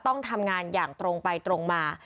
ต้องทำงานอย่างตรงไปตรงมา